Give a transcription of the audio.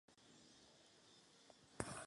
Hraje na postu pravého beka či záložníka.